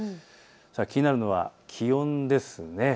気になるのは気温です。